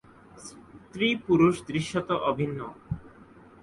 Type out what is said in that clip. স্ত্রী-পুরুষ দৃশ্যত অভিন্ন।